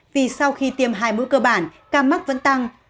vì sau khi tiêm hai mũi cơ bản ca mắc vẫn tăng